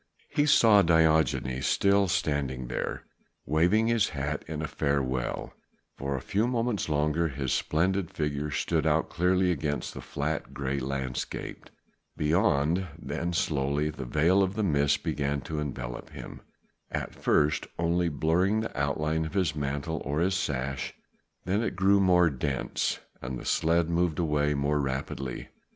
He saw Diogenes still standing there, waving his hat in farewell: for a few moments longer his splendid figure stood out clearly against the flat grey landscape beyond, then slowly the veil of mist began to envelop him, at first only blurring the outline of his mantle or his sash, then it grew more dense and the sledge moved away more rapidly.